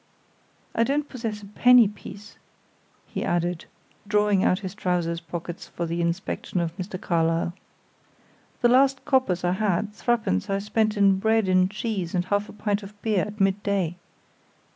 I don't possess a penny piece," he added, drawing out his trousers pockets for the inspection of Mr. Carlyle. "The last coppers, I had, three pence, I spent in bread and cheese and half a pint of beer at midday.